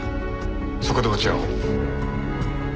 そこで落ち合おう。